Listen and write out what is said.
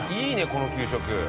この給食。